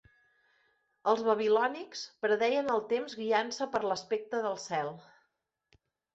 Els babilònics predeien el temps guiant-se per l'aspecte del cel.